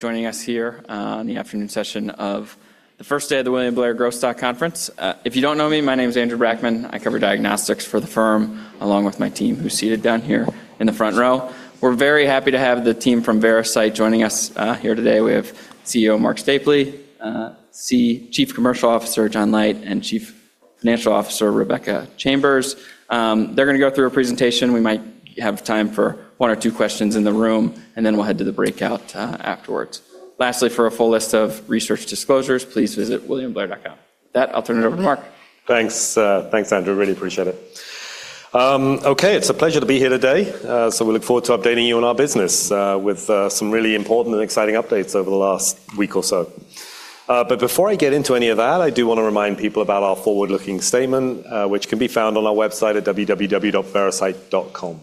Joining us here on the afternoon session of the first day of the William Blair Growth Stock Conference. If you don't know me, my name is Andrew Brackmann. I cover diagnostics for the firm, along with my team who's seated down here in the front row. We're very happy to have the team from Veracyte joining us here today. We have CEO Marc Stapley, Chief Commercial Officer John Leite, and Chief Financial Officer Rebecca Chambers. They're going to go through a presentation. We might have time for one or two questions in the room, then we'll head to the breakout afterwards. Lastly, for a full list of research disclosures, please visit williamblair.com. With that, I'll turn it over to Marc. Thanks Andrew, really appreciate it. Okay, it's a pleasure to be here today. We look forward to updating you on our business with some really important and exciting updates over the last week or so. Before I get into any of that, I do want to remind people about our forward-looking statement, which can be found on our website at www.veracyte.com.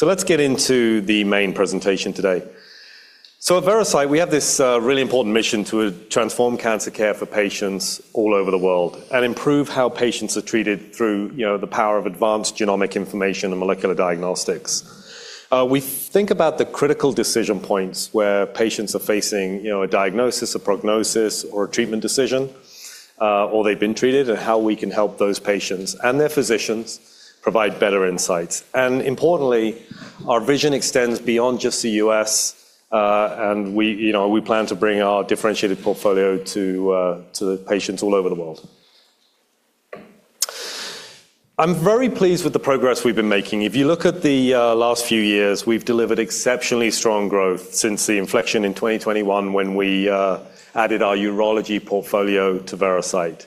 Let's get into the main presentation today. At Veracyte, we have this really important mission to transform cancer care for patients all over the world and improve how patients are treated through the power of advanced genomic information and molecular diagnostics. We think about the critical decision points where patients are facing a diagnosis, a prognosis, or a treatment decision, or they've been treated, and how we can help those patients and their physicians provide better insights. Importantly, our vision extends beyond just the U.S., and we plan to bring our differentiated portfolio to patients all over the world. I'm very pleased with the progress we've been making. If you look at the last few years, we've delivered exceptionally strong growth since the inflection in 2021 when we added our urology portfolio to Veracyte.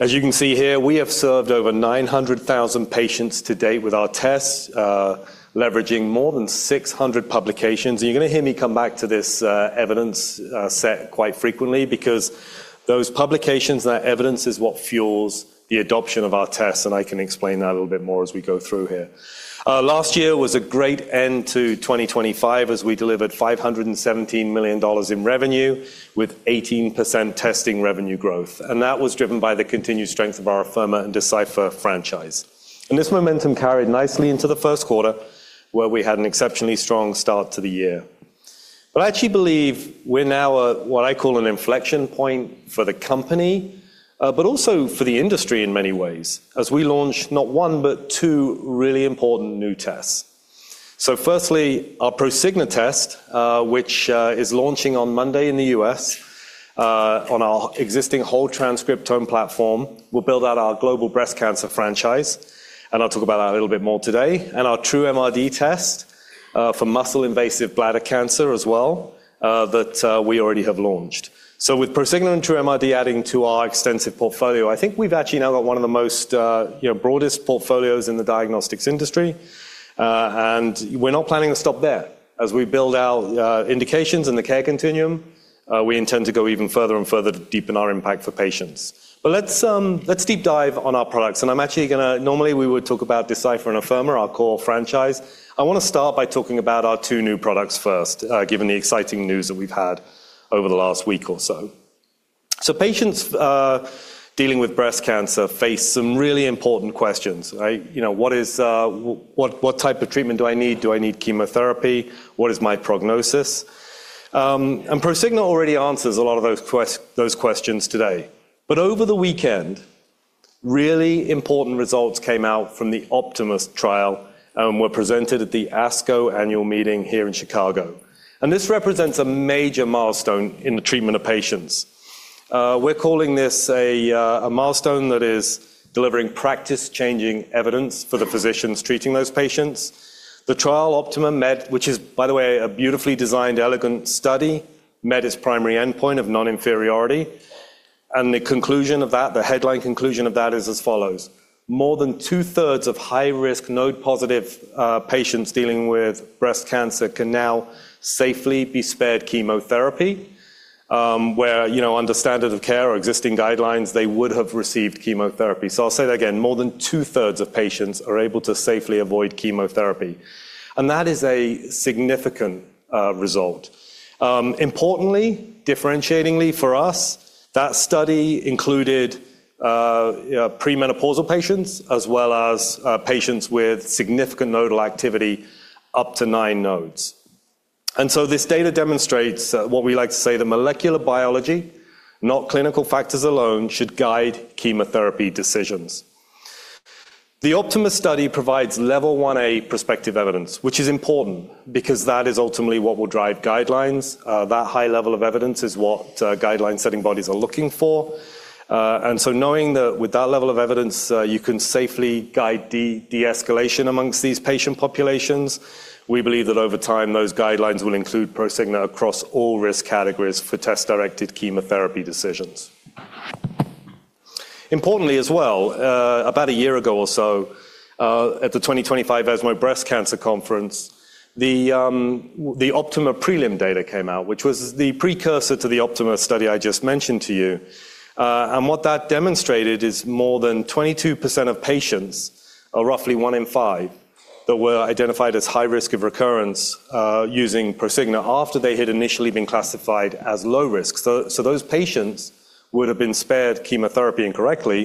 As you can see here, we have served over 900,000 patients to date with our tests, leveraging more than 600 publications. You're going to hear me come back to this evidence set quite frequently because those publications and that evidence is what fuels the adoption of our tests, and I can explain that a little bit more as we go through here. Last year was a great end to 2025 as we delivered $517 million in revenue with 18% testing revenue growth. That was driven by the continued strength of our Afirma and Decipher franchise. This momentum carried nicely into the Q1, where we had an exceptionally strong start to the year. I actually believe we're now at what I call an inflection point for the company, but also for the industry in many ways, as we launch not one, but two really important new tests. Firstly, our Prosigna test, which is launching on Monday in the U.S. on our existing whole transcriptome platform. We'll build out our global breast cancer franchise. I'll talk about that a little bit more today. Our TrueMRD test for muscle-invasive bladder cancer as well, that we already have launched. With Prosigna and TrueMRD adding to our extensive portfolio, I think we've actually now got one of the most broadest portfolios in the diagnostics industry. We're not planning to stop there. As we build our indications in the care continuum, we intend to go even further and further to deepen our impact for patients. Let's deep dive on our products, and I'm actually Normally, we would talk about Decipher and Afirma, our core franchise. I want to start by talking about our two new products first, given the exciting news that we've had over the last week or so. Patients dealing with breast cancer face some really important questions. What type of treatment do I need? Do I need chemotherapy? What is my prognosis? Prosigna already answers a lot of those questions today. Over the weekend, really important results came out from the OPTIMA trial and were presented at the ASCO annual meeting here in Chicago. This represents a major milestone in the treatment of patients. We're calling this a milestone that is delivering practice-changing evidence for the physicians treating those patients. The trial OPTIMA, which is by the way a beautifully designed, elegant study, met its primary endpoint of non-inferiority. The conclusion of that, the headline conclusion of that is as follows: More than two-thirds of high-risk, node-positive patients dealing with breast cancer can now safely be spared chemotherapy, where under standard of care or existing guidelines, they would have received chemotherapy. I'll say that again, more than two-thirds of patients are able to safely avoid chemotherapy, and that is a significant result. Importantly, differentiatingly for us, that study included premenopausal patients as well as patients with significant nodal activity up to nine nodes. This data demonstrates what we like to say that molecular biology, not clinical factors alone, should guide chemotherapy decisions. The OPTIMA study provides Level 1a prospective evidence, which is important because that is ultimately what will drive guidelines. That high level of evidence is what guideline setting bodies are looking for. Knowing that with that level of evidence, you can safely guide de-escalation amongst these patient populations, we believe that over time, those guidelines will include Prosigna across all risk categories for test-directed chemotherapy decisions. Importantly as well, about a year ago or so, at the 2025 ESMO Breast Cancer Conference, the OPTIMA prelim data came out, which was the precursor to the OPTIMA study I just mentioned to you. What that demonstrated is more than 22% of patients, or roughly one in five, that were identified as high risk of recurrence using Prosigna after they had initially been classified as low risk. Those patients would have been spared chemotherapy incorrectly,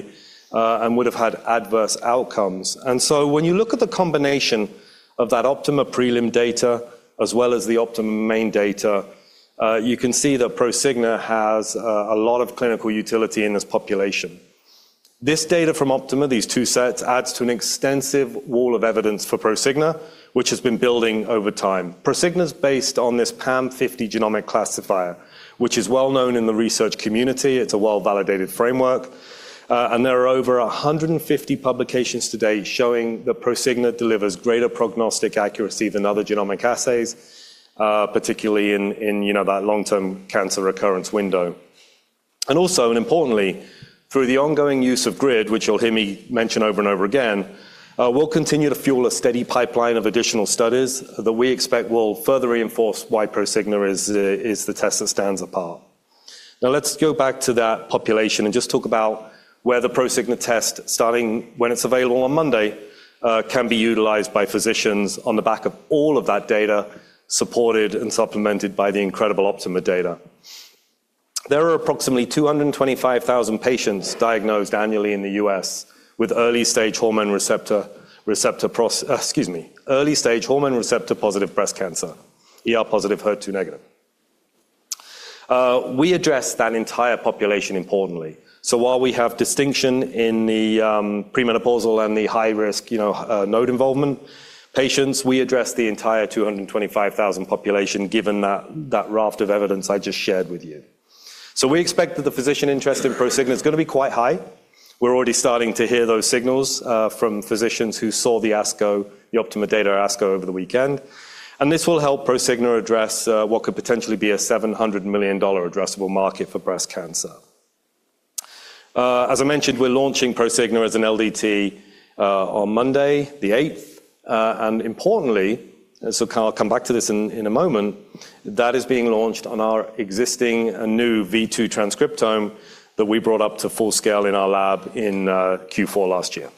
and would have had adverse outcomes. When you look at the combination of that OPTIMA prelim data as well as the OPTIMA main data, you can see that Prosigna has a lot of clinical utility in this population. This data from OPTIMA, these two sets, adds to an extensive wall of evidence for Prosigna, which has been building over time. Prosigna is based on this PAM50 genomic classifier, which is well-known in the research community. It's a well-validated framework. There are over 150 publications to date showing that Prosigna delivers greater prognostic accuracy than other genomic assays, particularly in that long-term cancer recurrence window. Also, and importantly, through the ongoing use of GRID, which you'll hear me mention over and over again, we'll continue to fuel a steady pipeline of additional studies that we expect will further reinforce why Prosigna is the test that stands apart. Let's go back to that population and just talk about where the Prosigna test, starting when it's available on Monday, can be utilized by physicians on the back of all of that data supported and supplemented by the incredible OPTIMA data. There are approximately 225,000 patients diagnosed annually in the U.S. with early-stage hormone receptor, excuse me, early-stage hormone receptor-positive breast cancer, ER positive, HER2 negative. We address that entire population importantly. While we have distinction in the premenopausal and the high-risk node involvement patients, we address the entire 225,000 population given that raft of evidence I just shared with you. We expect that the physician interest in Prosigna is going to be quite high. We're already starting to hear those signals from physicians who saw the ASCO, the OPTIMA data at ASCO over the weekend, and this will help Prosigna address what could potentially be a $700 million addressable market for breast cancer. As I mentioned, we're launching Prosigna as an LDT on Monday the 8th. Importantly, I'll come back to this in a moment, that is being launched on our existing new V2 transcriptome that we brought up to full scale in our lab in Q4 last year.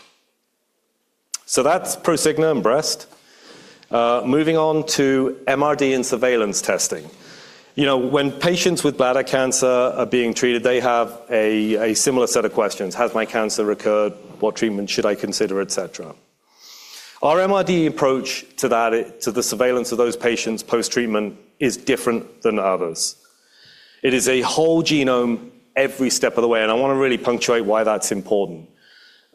Moving on to MRD and surveillance testing. When patients with bladder cancer are being treated, they have a similar set of questions. Has my cancer recurred? What treatment should I consider, et cetera. Our MRD approach to the surveillance of those patients post-treatment is different than others. It is a whole genome every step of the way. I want to really punctuate why that's important.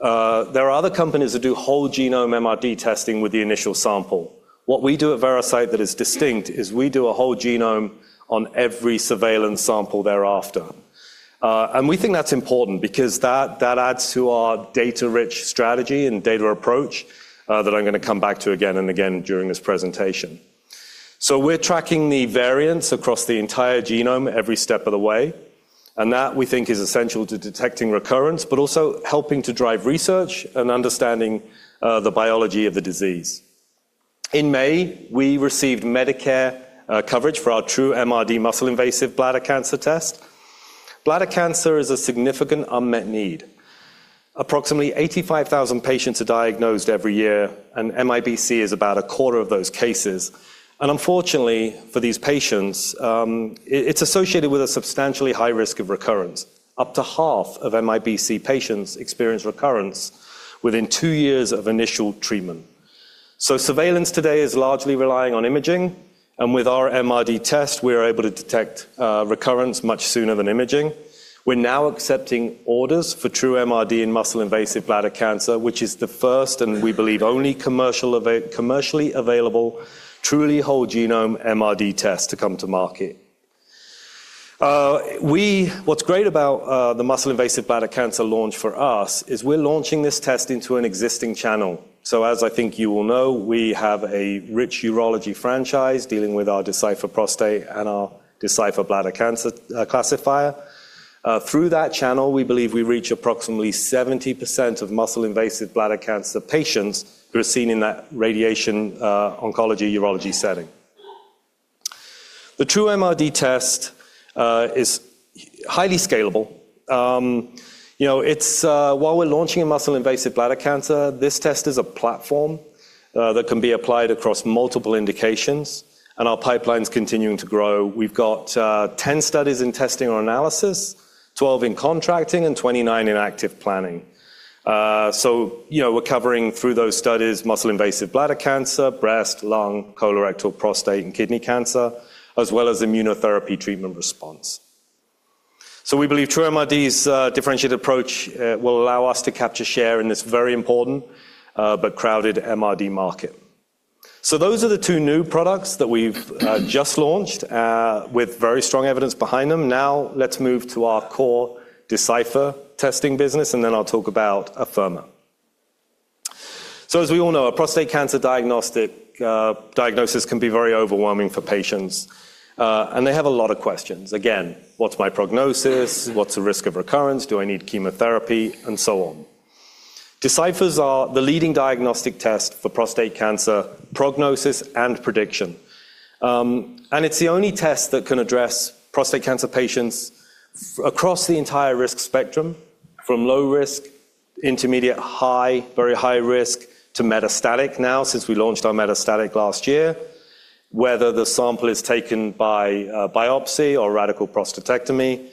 There are other companies that do whole genome MRD testing with the initial sample. What we do at Veracyte that is distinct is we do a whole genome on every surveillance sample thereafter. We think that's important because that adds to our data-rich strategy and data approach that I'm going to come back to again and again during this presentation. We're tracking the variants across the entire genome every step of the way, and that we think is essential to detecting recurrence, but also helping to drive research and understanding the biology of the disease. In May, we received Medicare coverage for our TrueMRD muscle-invasive bladder cancer test. Bladder cancer is a significant unmet need. Approximately 85,000 patients are diagnosed every year. MIBC is about a quarter of those cases. Unfortunately for these patients, it's associated with a substantially high risk of recurrence. Up to half of MIBC patients experience recurrence within two years of initial treatment. Surveillance today is largely relying on imaging, and with our MRD test, we are able to detect recurrence much sooner than imaging. We're now accepting orders for TrueMRD in muscle-invasive bladder cancer, which is the first, and we believe only commercially available truly whole genome MRD test to come to market. What's great about the muscle-invasive bladder cancer launch for us is we're launching this test into an existing channel. As I think you all know, we have a rich urology franchise dealing with our Decipher Prostate and our Decipher Bladder cancer classifier. Through that channel, we believe we reach approximately 70% of muscle-invasive bladder cancer patients who are seen in that radiation oncology urology setting. The TrueMRD test is highly scalable. While we're launching in muscle-invasive bladder cancer, this test is a platform that can be applied across multiple indications, and our pipeline's continuing to grow. We've got 10 studies in testing or analysis, 12 in contracting, and 29 in active planning. We're covering through those studies muscle-invasive bladder cancer, breast, lung, colorectal, prostate, and kidney cancer, as well as immunotherapy treatment response. We believe TrueMRD's differentiated approach will allow us to capture share in this very important but crowded MRD market. Those are the two new products that we've just launched with very strong evidence behind them. Now let's move to our core Decipher testing business, and then I'll talk about Afirma. As we all know, a prostate cancer diagnosis can be very overwhelming for patients, and they have a lot of questions. Again, what's my prognosis? What's the risk of recurrence? Do I need chemotherapy, and so on. Decipher are the leading diagnostic test for prostate cancer prognosis and prediction. It's the only test that can address prostate cancer patients across the entire risk spectrum, from low risk, intermediate, high, very high risk, to metastatic now, since we launched our metastatic last year. Whether the sample is taken by biopsy or radical prostatectomy,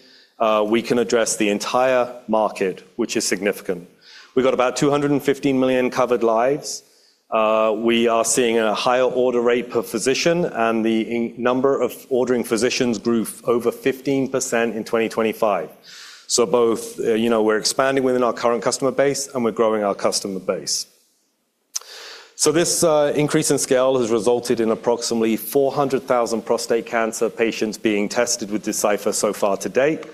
we can address the entire market, which is significant. We've got about 215 million covered lives. We are seeing a higher order rate per physician, and the number of ordering physicians grew over 15% in 2025. Both, we're expanding within our current customer base, and we're growing our customer base. This increase in scale has resulted in approximately 400,000 prostate cancer patients being tested with Decipher so far to date,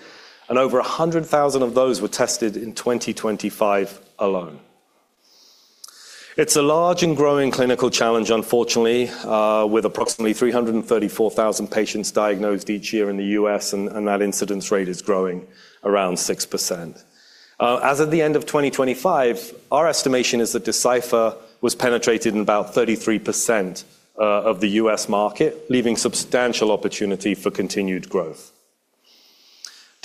and over 100,000 of those were tested in 2025 alone. It's a large and growing clinical challenge, unfortunately, with approximately 334,000 patients diagnosed each year in the U.S., and that incidence rate is growing around 6%. As of the end of 2025, our estimation is that Decipher was penetrated in about 33% of the U.S. market, leaving substantial opportunity for continued growth.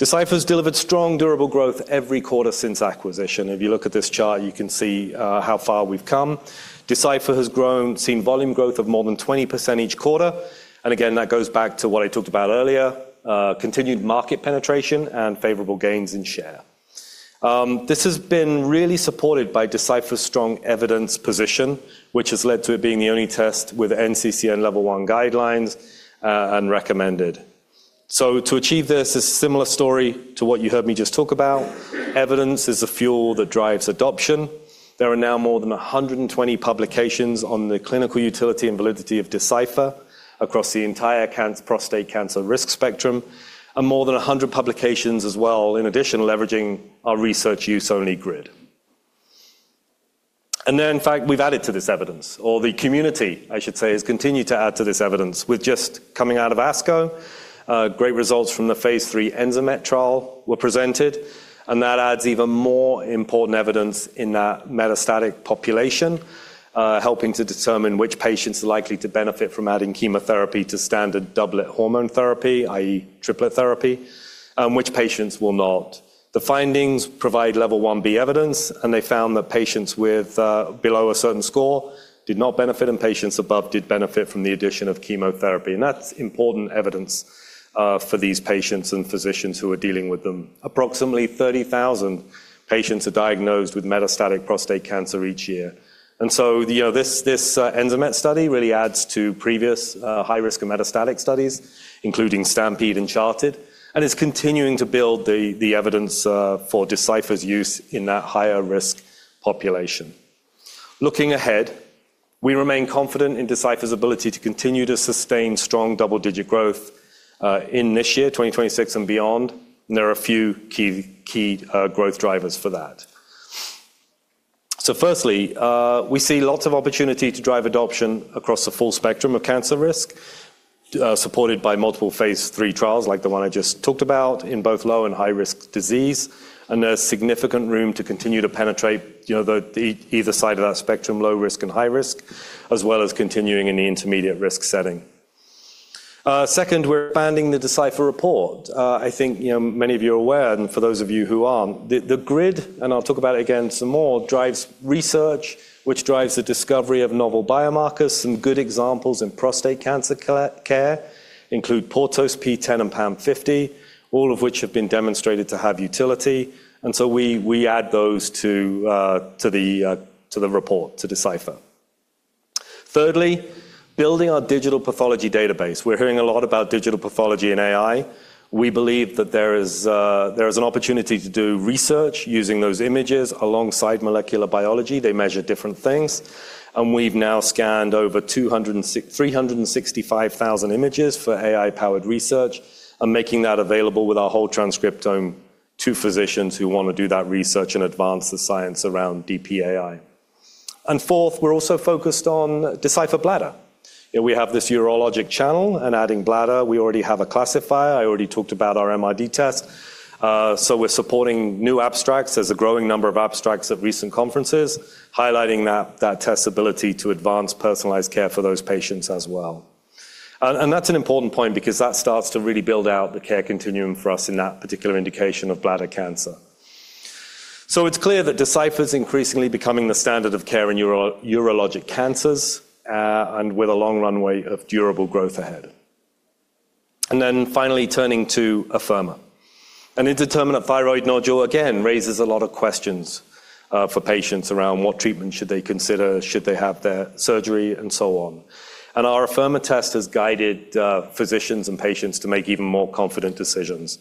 Decipher's delivered strong, durable growth every quarter since acquisition. If you look at this chart, you can see how far we've come. Decipher has grown, seen volume growth of more than 20% each quarter. Again, that goes back to what I talked about earlier, continued market penetration and favorable gains in share. This has been really supported by Decipher's strong evidence position, which has led to it being the only test with NCCN level one guidelines and recommended. To achieve this, a similar story to what you heard me just talk about. Evidence is the fuel that drives adoption. There are now more than 120 publications on the clinical utility and validity of Decipher across the entire prostate cancer risk spectrum, and more than 100 publications as well, in addition, leveraging our research use only GRID. In fact, we've added to this evidence, or the community, I should say, has continued to add to this evidence with just coming out of ASCO. Great results from the phase III ENZAMET trial were presented. That adds even more important evidence in that metastatic population, helping to determine which patients are likely to benefit from adding chemotherapy to standard doublet hormone therapy, i.e. triplet therapy, and which patients will not. The findings provide level 1b evidence. They found that patients with below a certain score did not benefit, and patients above did benefit from the addition of chemotherapy. That's important evidence for these patients and physicians who are dealing with them. Approximately 30,000 patients are diagnosed with metastatic prostate cancer each year. This ENZAMET study really adds to previous high risk and metastatic studies, including STAMPEDE and CHAARTED. Is continuing to build the evidence for Decipher's use in that higher risk population. Looking ahead, we remain confident in Decipher's ability to continue to sustain strong double-digit growth in this year, 2026 and beyond. There are a few key growth drivers for that. Firstly, we see lots of opportunity to drive adoption across the full spectrum of cancer risk, supported by multiple phase III trials like the one I just talked about in both low and high-risk disease. There's significant room to continue to penetrate either side of that spectrum, low risk and high risk, as well as continuing in the intermediate risk setting. Second, we're expanding the Decipher report. I think many of you are aware. For those of you who aren't, the GRID, I'll talk about it again some more, drives research, which drives the discovery of novel biomarkers. Some good examples in prostate cancer care include PORTOS, PTEN, and PAM50, all of which have been demonstrated to have utility, and so we add those to the report to Decipher. Thirdly, building our digital pathology database. We're hearing a lot about Digital Pathology AI. We believe that there is an opportunity to do research using those images alongside molecular biology. They measure different things, and we've now scanned over 365,000 images for AI-powered research and making that available with our whole transcriptome to physicians who want to do that research and advance the science around DPAI. Fourth, we're also focused on Decipher Bladder. We have this urologic channel and adding bladder. We already have a classifier. I already talked about our MRD test. We're supporting new abstracts. There's a growing number of abstracts at recent conferences highlighting that test's ability to advance personalized care for those patients as well. That's an important point because that starts to really build out the care continuum for us in that particular indication of bladder cancer. It's clear that Decipher is increasingly becoming the standard of care in urologic cancers, and with a long runway of durable growth ahead. Finally, turning to Afirma. An indeterminate thyroid nodule, again, raises a lot of questions for patients around what treatment should they consider, should they have their surgery, and so on. Our Afirma test has guided physicians and patients to make even more confident decisions.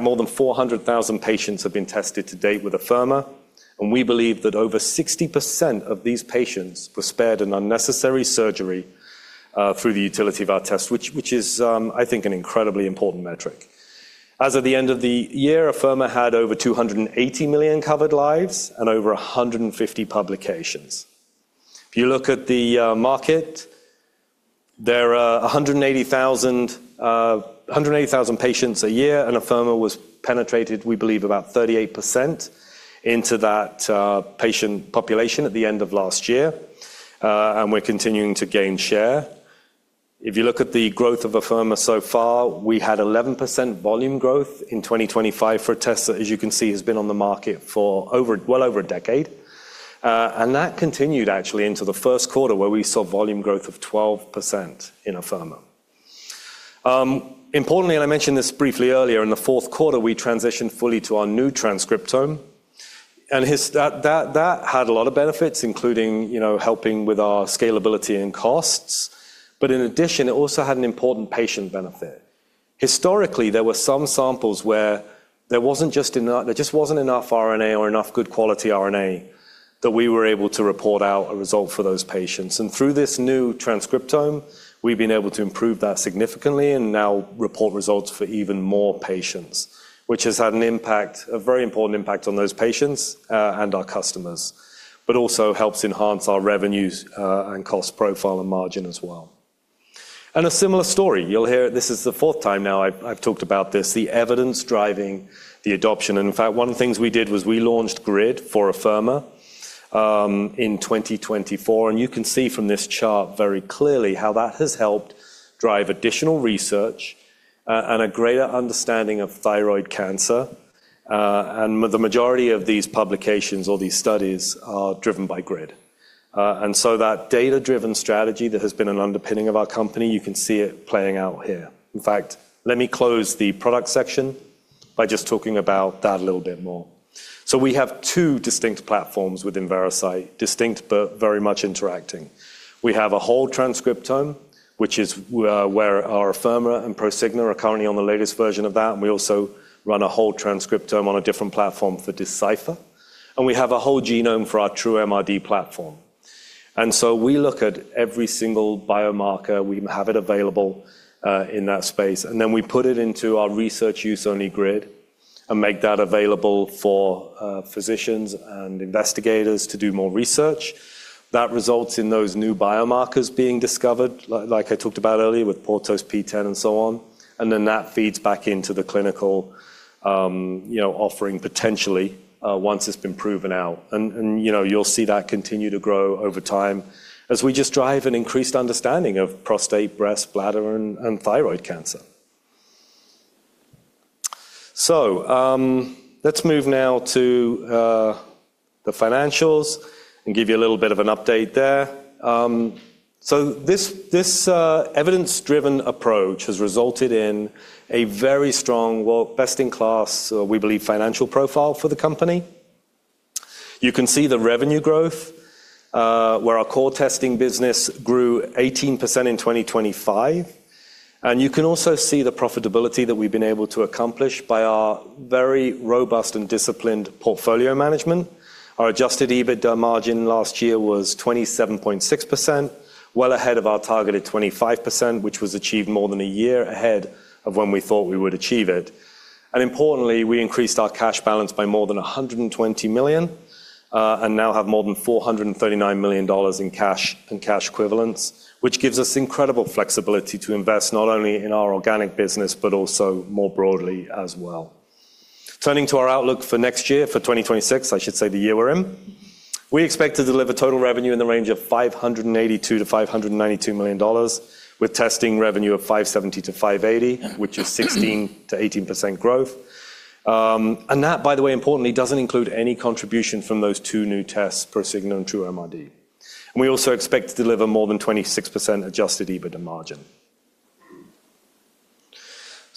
More than 400,000 patients have been tested to date with Afirma, and we believe that over 60% of these patients were spared an unnecessary surgery through the utility of our test, which is, I think, an incredibly important metric. As of the end of the year, Afirma had over 280 million covered lives and over 150 publications. If you look at the market, there are 180,000 patients a year, and Afirma was penetrated, we believe, about 38% into that patient population at the end of last year, and we're continuing to gain share. If you look at the growth of Afirma so far, we had 11% volume growth in 2025 for a test that, as you can see, has been on the market for well over a decade. That continued actually into the Q1, where we saw volume growth of 12% in Afirma. Importantly, I mentioned this briefly earlier, in the Q4, we transitioned fully to our new transcriptome. That had a lot of benefits, including helping with our scalability and costs. In addition, it also had an important patient benefit. Historically, there were some samples where there just wasn't enough RNA or enough good quality RNA that we were able to report out a result for those patients. Through this new transcriptome, we've been able to improve that significantly and now report results for even more patients, which has had a very important impact on those patients and our customers, but also helps enhance our revenues and cost profile and margin as well. A similar story, you'll hear, this is the fourth time now I've talked about this, the evidence driving the adoption. In fact, one of the things we did was we launched GRID for Afirma in 2024. You can see from this chart very clearly how that has helped drive additional research and a greater understanding of thyroid cancer. The majority of these publications or these studies are driven by GRID. That data-driven strategy that has been an underpinning of our company, you can see it playing out here. In fact, let me close the product section by just talking about that a little bit more. We have two distinct platforms within Veracyte, distinct but very much interacting. We have a whole transcriptome, which is where our Afirma and Prosigna are currently on the latest version of that, and we also run a whole transcriptome on a different platform for Decipher. We have a whole genome for our TrueMRD platform. We look at every single biomarker, we have it available in that space, then we put it into our research use only GRID and make that available for physicians and investigators to do more research. That results in those new biomarkers being discovered, like I talked about earlier with PORTOS, PTEN and so on. That feeds back into the clinical offering potentially once it has been proven out. You will see that continue to grow over time as we just drive an increased understanding of prostate, breast, bladder, and thyroid cancer. Let us move now to the financials and give you a little bit of an update there. This evidence-driven approach has resulted in a very strong, well, best-in-class, we believe financial profile for the company. You can see the revenue growth, where our core testing business grew 18% in 2025. You can also see the profitability that we've been able to accomplish by our very robust and disciplined portfolio management. Our adjusted EBITDA margin last year was 27.6%, well ahead of our targeted 25%, which was achieved more than a year ahead of when we thought we would achieve it. Importantly, we increased our cash balance by more than $120 million and now have more than $439 million in cash and cash equivalents, which gives us incredible flexibility to invest not only in our organic business, but also more broadly as well. Turning to our outlook for next year, for 2026, I should say the year we're in, we expect to deliver total revenue in the range of $582 million-$592 million, with testing revenue of $570 million-$580 million, which is 16%-18% growth. That, by the way, importantly, doesn't include any contribution from those two new tests, Prosigna and TrueMRD. We also expect to deliver more than 26% adjusted EBITDA margin.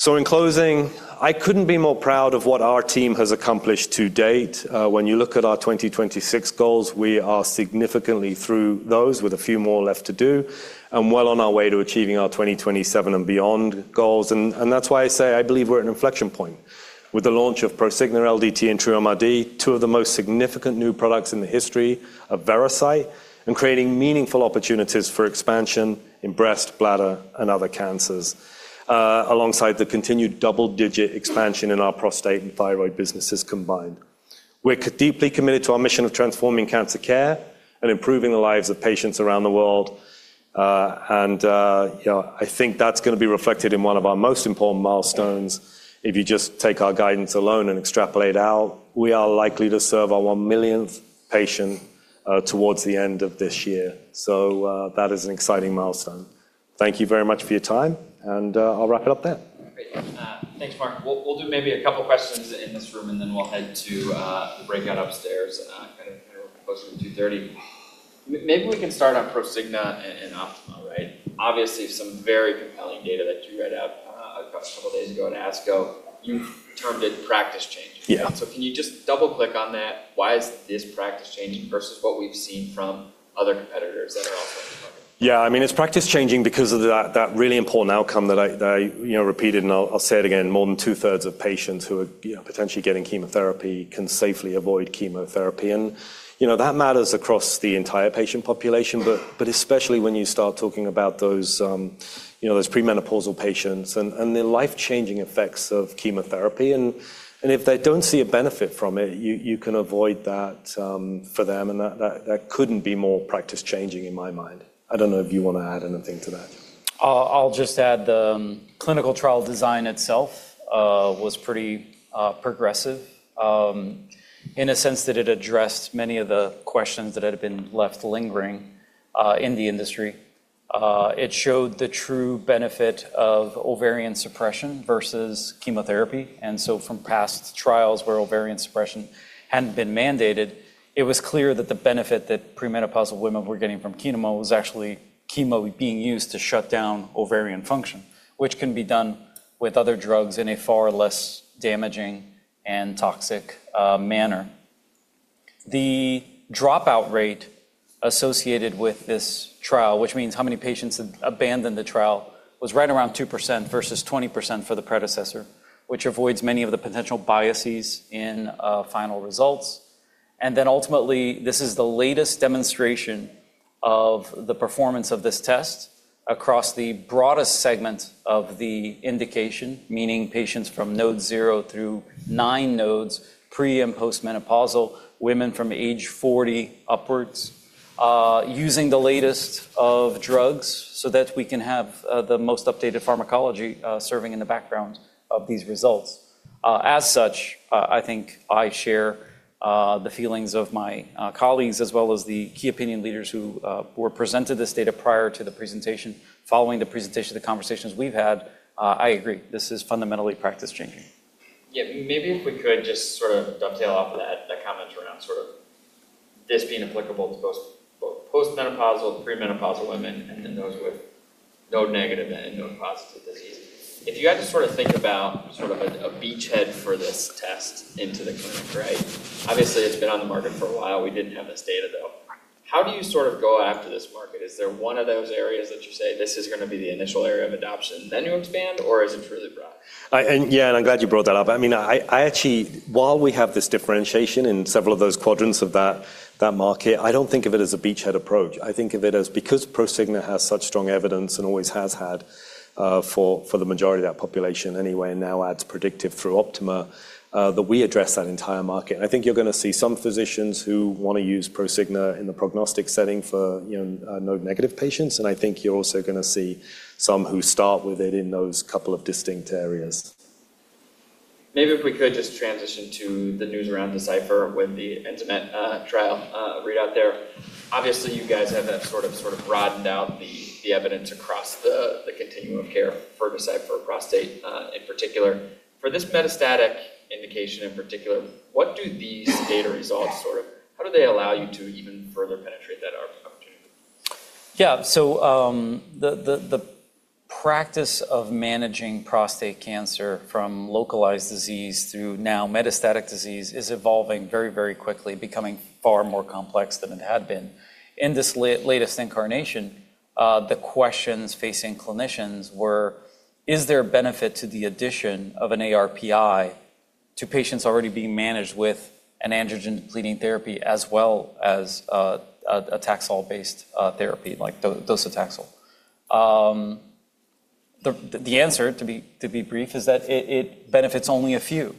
In closing, I couldn't be more proud of what our team has accomplished to date. When you look at our 2026 goals, we are significantly through those with a few more left to do and well on our way to achieving our 2027 and beyond goals. That's why I say I believe we're at an inflection point with the launch of Prosigna LDT and TrueMRD, two of the most significant new products in the history of Veracyte, and creating meaningful opportunities for expansion in breast, bladder, and other cancers, alongside the continued double-digit expansion in our prostate and thyroid businesses combined. We're deeply committed to our mission of transforming cancer care and improving the lives of patients around the world. I think that's going to be reflected in one of our most important milestones if you just take our guidance alone and extrapolate out, we are likely to serve our millionth patient towards the end of this year. That is an exciting milestone. Thank you very much for your time, and I'll wrap it up there. Great. Thanks, Marc. We'll do maybe a couple of questions in this room, and then we'll head to the breakout upstairs, kind of closer to 2:30PM. Maybe we can start on Prosigna and OPTIMA, right? Obviously, some very compelling data that you read out a couple of days ago at ASCO. You termed it practice-changing. Yeah. Can you just double-click on that? Why is this practice-changing versus what we've seen from other competitors that are also in the market? Yeah, it's practice-changing because of that really important outcome that I repeated, and I'll say it again, more than two-thirds of patients who are potentially getting chemotherapy can safely avoid chemotherapy. That matters across the entire patient population, especially when you start talking about those premenopausal patients and the life-changing effects of chemotherapy. If they don't see a benefit from it, you can avoid that for them, that couldn't be more practice-changing in my mind. I don't know if you want to add anything to that. I'll just add the clinical trial design itself was pretty progressive in a sense that it addressed many of the questions that had been left lingering in the industry. It showed the true benefit of ovarian suppression versus chemotherapy. From past trials where ovarian suppression hadn't been mandated, it was clear that the benefit that premenopausal women were getting from chemo was actually chemo being used to shut down ovarian function, which can be done with other drugs in a far less damaging and toxic manner. The dropout rate associated with this trial, which means how many patients had abandoned the trial, was right around 2% versus 20% for the predecessor, which avoids many of the potential biases in final results. Ultimately, this is the latest demonstration of the performance of this test across the broadest segment of the indication, meaning patients from node zero through nine nodes, pre- and post-menopausal women from age 40 upwards, using the latest of drugs so that we can have the most updated pharmacology serving in the background of these results. Such, I think I share the feelings of my colleagues as well as the key opinion leaders who were presented this data prior to the presentation. Following the presentation, the conversations we've had, I agree, this is fundamentally practice-changing. Yeah. Maybe if we could just sort of dovetail off that comment around this being applicable to both post-menopausal and premenopausal women, and then those with node-negative and node-positive disease. If you had to think about a beachhead for this test into the clinic. Obviously, it's been on the market for a while. We didn't have this data, though. How do you go after this market? Is there one of those areas that you say this is going to be the initial area of adoption, then you expand, or is it really broad? Yeah, I'm glad you brought that up. While we have this differentiation in several of those quadrants of that market, I don't think of it as a beachhead approach. I think of it as because Prosigna has such strong evidence and always has had for the majority of that population anyway, now adds predictive through OPTIMA, that we address that entire market. I think you're going to see some physicians who want to use Prosigna in the prognostic setting for node-negative patients, and I think you're also going to see some who start with it in those couple of distinct areas. Maybe if we could just transition to the news around Decipher with the ENZAMET trial readout there. Obviously, you guys have that broadened out the evidence across the continuum of care for Decipher Prostate in particular. For this metastatic indication in particular, what do these data results how do they allow you to even further penetrate that opportunity? The practice of managing prostate cancer from localized disease through now metastatic disease is evolving very, very quickly, becoming far more complex than it had been. In this latest incarnation, the questions facing clinicians were, is there a benefit to the addition of an ARPI to patients already being managed with an androgen depleting therapy as well as a taxane-based therapy like docetaxel? The answer, to be brief, is that it benefits only a few,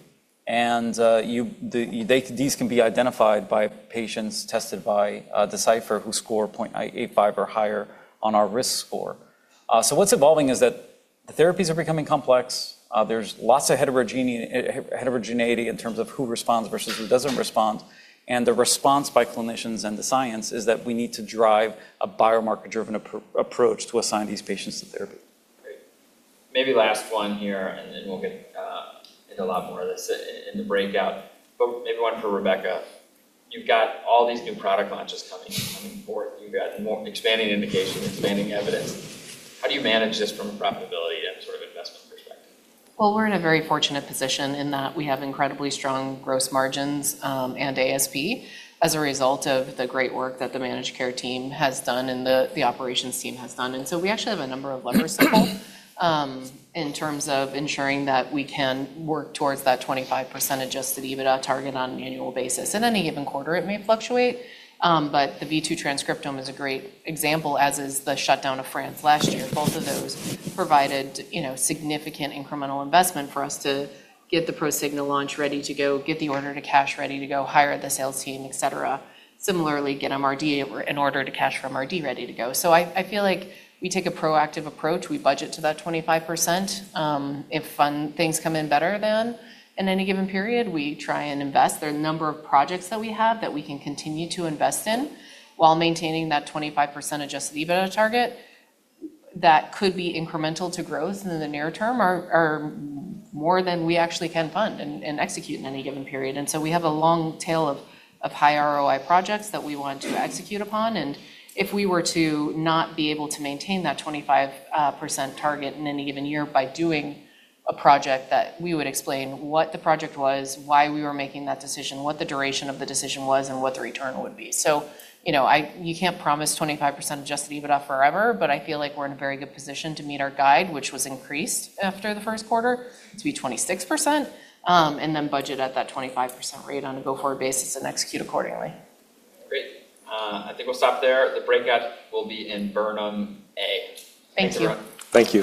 and these can be identified by patients tested by Decipher who score 0.85 or higher on our risk score. What's evolving is that the therapies are becoming complex. There's lots of heterogeneity in terms of who responds versus who doesn't respond, and the response by clinicians and the science is that we need to drive a biomarker-driven approach to assign these patients to therapy. Great. Maybe last one here, and then we'll get into a lot more of this in the breakout, but maybe one for Rebecca. You've got all these new product launches coming forth. You've got expanding indication, expanding evidence. How do you manage this from a profitability and sort of investment perspective? Well, we're in a very fortunate position in that we have incredibly strong gross margins and ASP as a result of the great work that the managed care team has done and the operations team has done. We actually have a number of levers to pull in terms of ensuring that we can work towards that 25% adjusted EBITDA target on an annual basis. In any given quarter, it may fluctuate, the V2 transcriptome is a great example, as is the shutdown of France last year. Both of those provided significant incremental investment for us to get the Prosigna launch ready to go, get the order to cash ready to go, hire the sales team, et cetera. Similarly, get an order to cash from RD ready to go. I feel like we take a proactive approach. We budget to that 25%. If things come in better than in any given period, we try and invest. There are a number of projects that we have that we can continue to invest in while maintaining that 25% adjusted EBITDA target that could be incremental to growth in the near term are more than we actually can fund and execute in any given period. We have a long tail of high ROI projects that we want to execute upon. If we were to not be able to maintain that 25% target in any given year by doing a project that we would explain what the project was, why we were making that decision, what the duration of the decision was, and what the return would be. You can't promise 25% adjusted EBITDA forever, but I feel like we're in a very good position to meet our guide, which was increased after the first quarter to be 26%, and then budget at that 25% rate on a go-forward basis and execute accordingly. Great. I think we'll stop there. The breakout will be in Burnham A. Thank you. Thank you.